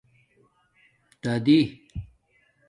دَادِئ